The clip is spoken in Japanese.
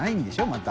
また。